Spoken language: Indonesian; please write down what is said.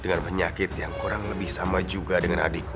dengan penyakit yang kurang lebih sama juga dengan adikku